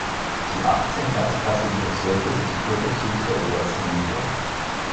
Die achtzehn erstklassigen Bezirke sind die Cricket-Teams der obersten Liga.